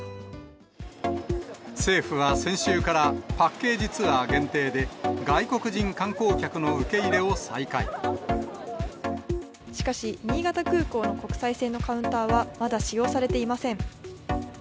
政府は先週から、パッケージツアー限定で、しかし、新潟空港の国際線のカウンターはまだ使用されていません。